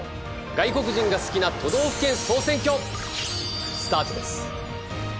外国人が好きな都道府県総選挙スタートです。